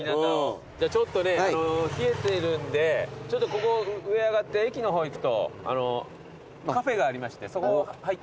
ちょっとね冷えてるんでここ上上がって駅の方行くとカフェがありましてそこ入ったら。